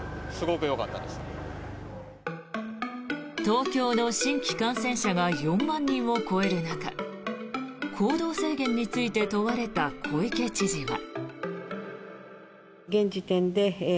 東京の新規感染者が４万人を超える中行動制限について問われた小池知事は。